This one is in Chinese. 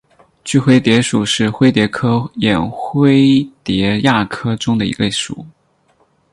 锯灰蝶属是灰蝶科眼灰蝶亚科中的一个属。